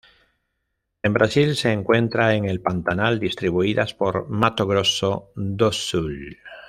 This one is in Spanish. En Brasil se encuentra en el Pantanal distribuidas por Mato Grosso do Sul.